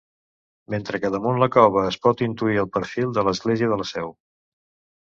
Mentre que damunt la cova, es pot intuir el perfil de l'església de la Seu.